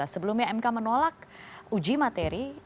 sebelumnya mk menolak uji materi